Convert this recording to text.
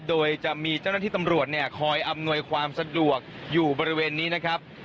โดยจะมีเจ้าหน้าที่ตำรวจเนี่ยคอยอำนวยความสะดวกอยู่บริเวณนี้นะครับ